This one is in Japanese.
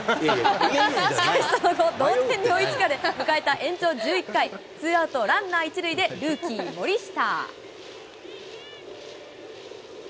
しかしその後、同点に追いつかれ、迎えた延長１１回、ツーアウトランナー１塁で、ルーキー、森下。